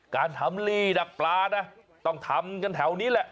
การทำลีดักปลานะต้องทำกันแถวนี้แหละ